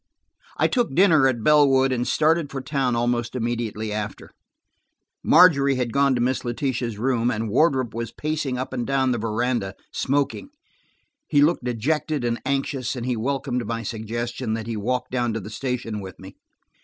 I took dinner at Bellwood and started for town almost immediately after. Margery had gone to Miss Letitia's room, and Wardrop was pacing up and down the veranda, smoking. He looked dejected and anxious, and he welcomed my suggestion that he walk down to the station with me.